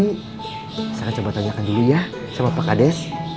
saya akan coba tanyakan dulu ya sama pak kades